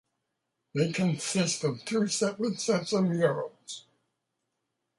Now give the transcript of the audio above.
They consist of two separate sets of murals.